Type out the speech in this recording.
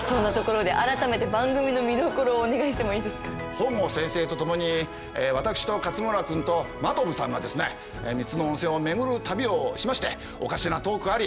本郷先生と共に私と勝村君と真飛さんがですね３つの温泉を巡る旅をしましておかしなトークあり